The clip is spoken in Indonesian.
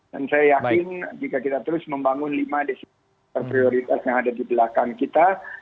dan saya yakin jika kita terus membangun lima desin prioritas yang ada di belakang kita